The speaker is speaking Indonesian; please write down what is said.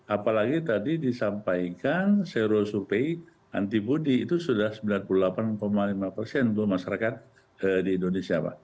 apalagi tadi disampaikan serosupe antibody itu sudah sembilan puluh delapan lima persen untuk masyarakat di indonesia pak